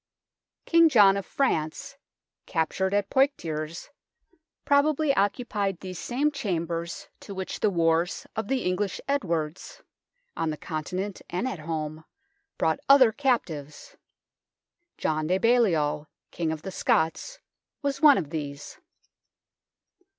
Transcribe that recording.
King John of France, captured at Poictiers, probably occupied these same chambers, to which the wars of the English Edwards on the Continent and at home brought other captives. John de Baliol, King of the Scots, was one of these.